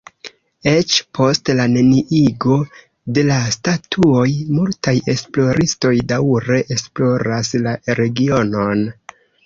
Eĉ post la neniigo de la statuoj multaj esploristoj daŭre esploras la regionon.